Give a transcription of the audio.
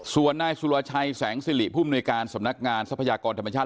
ส่วนให้ซุรชัยแสงซีหลิผู้นวยการสำนักงานสรรพยากรท่านบัญชา